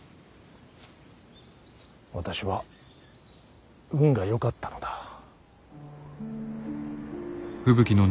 私は運がよかったのだ。